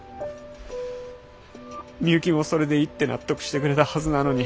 美幸もそれでいいって納得してくれたはずなのに。